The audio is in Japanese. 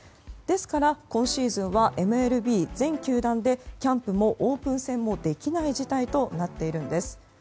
ですから、今シーズンはＭＬＢ全球団でキャンプもオープン戦もできない事態となっています。